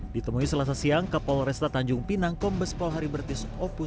ditemui selasa siang kapolres tatanjung pinang kombes polhari bertis opus